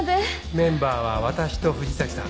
メンバーは私と藤崎さん